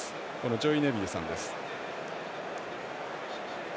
ジョイ・ネビルさんです。